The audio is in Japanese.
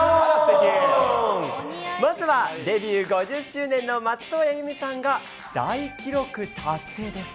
まずはデビュー５０周年の松任谷由実さんが、大記録達成です。